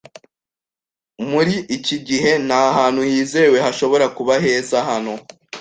Muri iki gihe, nta hantu hizewe hashobora kuba heza hano.